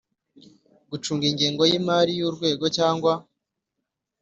Gucunga ingengo y imari y urwego cyangwa